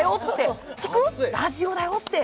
ラジオだよ！って。